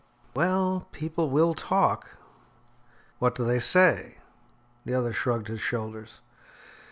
"Well, people will talk." "What do they say?" The other shrugged his shoulders.